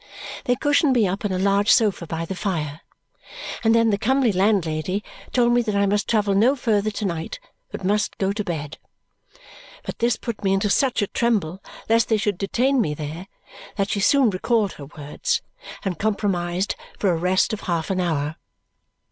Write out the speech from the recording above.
They cushioned me up on a large sofa by the fire, and then the comely landlady told me that I must travel no further to night, but must go to bed. But this put me into such a tremble lest they should detain me there that she soon recalled her words and compromised for a rest of half an hour.